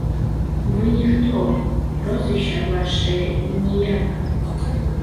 Вы ніхто, прозвішча вашае ніяк.